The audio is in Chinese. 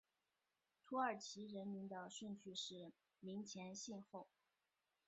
土耳其人名的顺序是名前姓后。